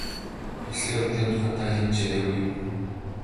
Болсон явдлын тухай та хэнд ч яриагүй юу?